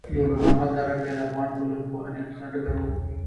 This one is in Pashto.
نورمحمد ترکی د افغان ټولنپوهنې بنسټګر و.